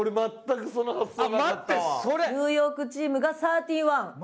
ニューヨークチームがサーティワン。